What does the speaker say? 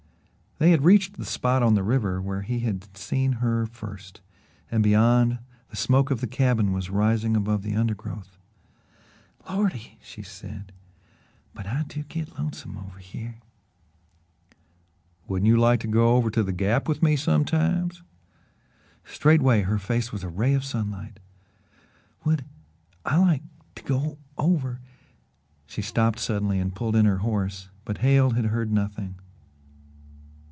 They had reached the spot on the river where he had seen her first, and beyond, the smoke of the cabin was rising above the undergrowth. "Lordy!" she said, "but I do git lonesome over hyeh." "Wouldn't you like to go over to the Gap with me sometimes?" Straightway her face was a ray of sunlight. "Would I like to go over " She stopped suddenly and pulled in her horse, but Hale had heard nothing.